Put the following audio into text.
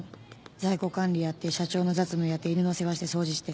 在庫管理やって社長の雑務やって犬の世話して掃除して」